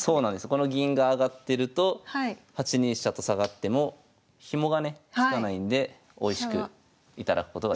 この銀が上がってると８二飛車と下がってもヒモがねつかないんでなるほど。